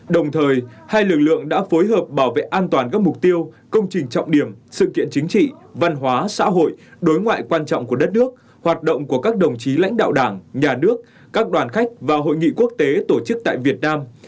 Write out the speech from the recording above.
đồng thời hai lực lượng đã phối hợp bảo vệ an toàn các mục tiêu công trình trọng điểm sự kiện chính trị văn hóa xã hội đối ngoại quan trọng của đất nước hoạt động của các đồng chí lãnh đạo đảng nhà nước các đoàn khách và hội nghị quốc tế tổ chức tại việt nam